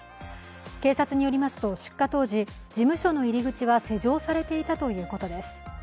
警察によりますと出火当時事務所の入り口は施錠されていたということです。